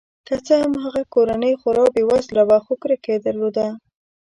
که څه هم هغه کورنۍ خورا بې وزله وه خو کرکه یې درلوده.